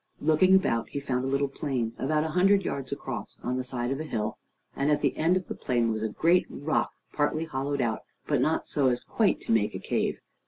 Looking about, he found a little plain, about a hundred yards across, on the side of a hill, and at the end of the plain was a great rock partly hollowed out, but not so as quite to make a cave.